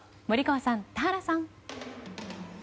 森川さん、田原さん。